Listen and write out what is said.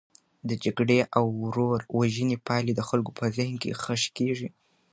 د جګړې او ورور وژنې پایلې د خلکو په ذهن کې خښي کیږي.